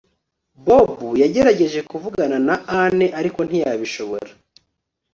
Bob yagerageje kuvugana na Anne ariko ntiyabishobora